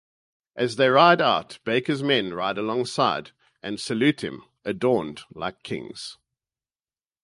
As they ride out, Baker's men ride alongside and salute him, adorned like kings.